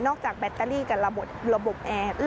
จากแบตเตอรี่กับระบบแอร์